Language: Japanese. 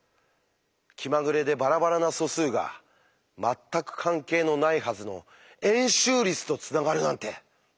気まぐれでバラバラな素数が全く関係のないはずの円周率とつながるなんてすごい！